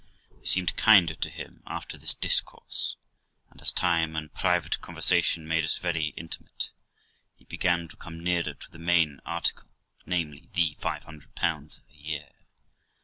I seemed kinder to him after this discourse, and as time and private conversation made us very intimate, we began to come nearer to the main article, namely, the 500 a year.